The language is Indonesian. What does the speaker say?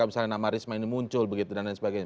misalnya nama risma ini muncul begitu dan lain sebagainya